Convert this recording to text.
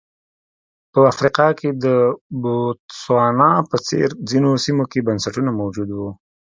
په افریقا کې د بوتسوانا په څېر ځینو سیمو کې بنسټونه موجود وو.